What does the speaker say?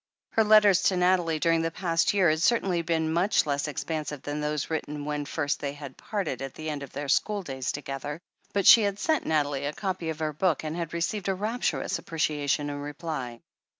Her letters to Nathalie during the past year had certainly been much less expansive than those written when first they had parted at the end of their school days together, but she had sent Nathalie a copy of her book and had received a rapturous appreciation in reply.